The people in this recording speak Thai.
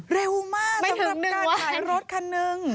เร็วมากสำหรับการถ่ายรถคันหนึ่ง